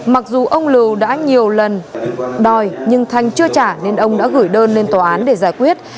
mặc dù ông lưu đã nhiều lần đòi nhưng thanh chưa trả nên ông đã gửi đơn lên tòa án để giải quyết